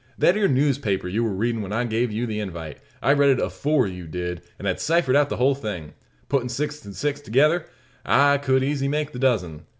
"That ere newspaper you war readin' when I gave you the invite. I read it afore you did, and had ciphered out the whole thing. Puttin' six and six thegither, I could easy make the dozen.